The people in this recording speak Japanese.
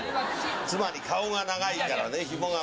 つまり顔が長いからねひもが結べない。